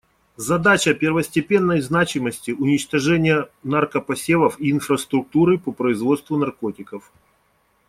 Задача первостепенной значимости — уничтожение наркопосевов и инфраструктуры по производству наркотиков.